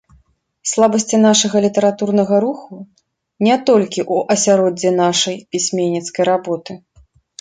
Слабасці нашага літаратурнага руху не толькі ў асяроддзі нашай пісьменніцкай работы.